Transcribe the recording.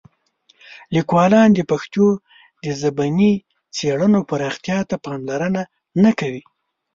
لیکوالان د پښتو د ژبني څېړنو پراختیا ته پاملرنه نه کوي.